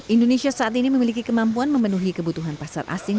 indonesia saat ini memiliki kemampuan memenuhi kebutuhan pasar asing